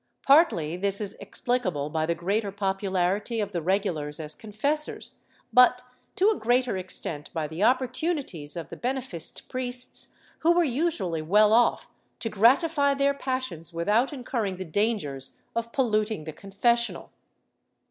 Partly this is explicable by the greater popularity of the regulars as confessors but, to a greater extent, by the opportunities of the beneficed priests, who were usually well off, to gratify their passions without incurring the dangers of polluting the confessional.